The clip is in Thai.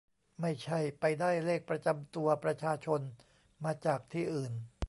ไม่ใช่ไปได้เลขประจำตัวประชาชนมาจากที่อื่น